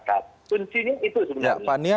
maksudnya itu sebenarnya